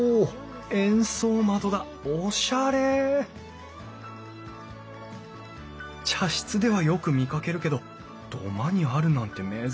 円相窓だおしゃれ茶室ではよく見かけるけど土間にあるなんて珍しい。